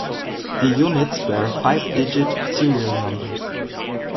The units bear five-digit serial numbers.